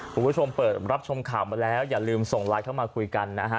คุณผู้ชมเปิดรับชมข่าวมาแล้วอย่าลืมส่งไลน์เข้ามาคุยกันนะฮะ